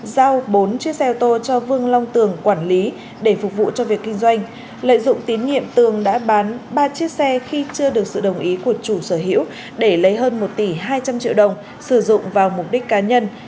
giao bốn chiếc xe ô tô cho vương long tường quản lý để phục vụ cho việc kinh doanh lợi dụng tín nhiệm tường đã bán ba chiếc xe khi chưa được sự đồng ý của chủ sở hữu để lấy hơn một tỷ hai trăm linh triệu đồng sử dụng vào mục đích cá nhân